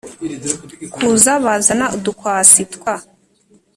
kuza Bazana udukwasi twa